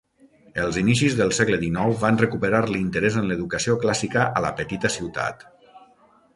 Els inicis del segle dinou van recuperar l'interès en l'educació clàssica a la petita ciutat.